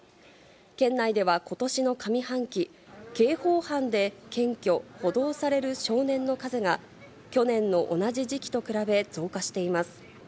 県内では、ことしの上半期、刑法犯で検挙・補導される少年の数が去年の同じ時期と比べ増加しています。